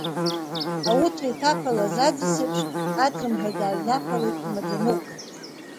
Ауҭра иҭаԥалаз аӡыс еиԥш, атрымҳәа дааҩнаԥалеит имаӡаныҟәгаҩ.